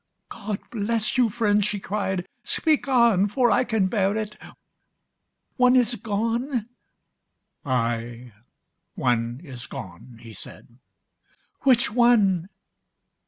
"God bless you, friend," she cried; "speak on! For I can bear it. One is gone?" "Ay, one is gone!" he said. "Which one?"